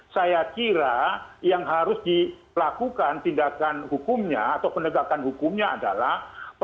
saya kira yang harus dilakukan tindakan hukumnya atau penegakan hukumnya adalah